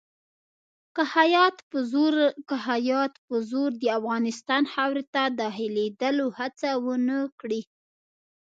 که هیات په زور د افغانستان خاورې ته داخلېدلو هڅه ونه کړي.